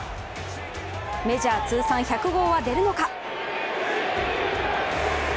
メジャー通算１００号は出るのか？